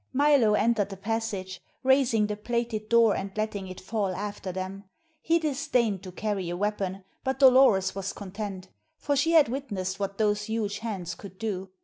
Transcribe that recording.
Milo entered the passage, raising the plated door and letting it fall after them. He disdained to carry a weapon; but Dolores was content, for she had witnessed what those huge hands could do.